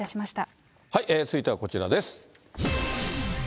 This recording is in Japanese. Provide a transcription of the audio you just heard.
続いてはこちらです。